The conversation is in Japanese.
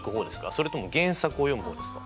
それとも原作を読む方ですか？